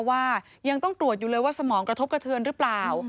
ว่ายังต้องตรวจอยู่เลยว่าสมองกระทบกระเทือนหรือเปล่า